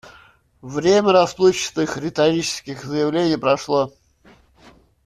Время расплывчатых риторических заявлений прошло.